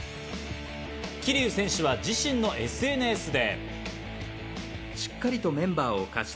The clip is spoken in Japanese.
桐生選手は自身のＳＮＳで。